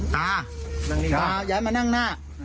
ตาตายายมานั่งหน้า